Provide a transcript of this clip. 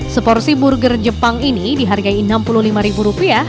seporsi burger jepang ini dihargai rp enam puluh lima